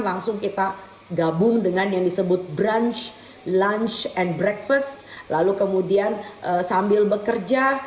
langsung kita gabung dengan yang disebut brunch lunch and breakfast lalu kemudian sambil bekerja